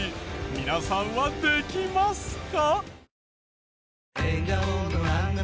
皆さんはできますか？